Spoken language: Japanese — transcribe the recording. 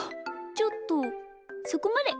ちょっとそこまで。